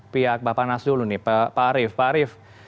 pihak bapak nas dulu nih pak arief